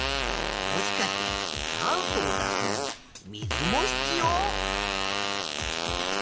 もしかして酸素を出すのに水も必要？